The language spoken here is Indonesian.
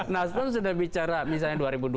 nah sekarang sudah bicara misalnya dua ribu dua puluh empat